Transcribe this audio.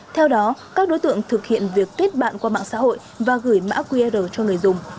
theo đó các đối tượng thực hiện việc tuyết bạn qua mạng xã hội và gửi mã qr cho người dùng